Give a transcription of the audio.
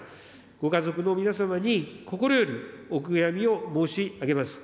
ご家族の皆様に心よりお悔やみを申し上げます。